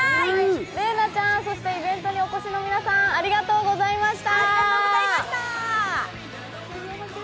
麗菜ちゃん、イベントにお越しの皆さん、ありがとうございました。